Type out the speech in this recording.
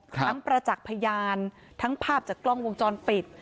ประจักษ์พยานทั้งภาพจากกล้องวงจรปิด